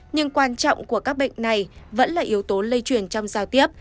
nhưng quan trọng của các bệnh này vẫn là yếu tố lây truyền trong giao tiếp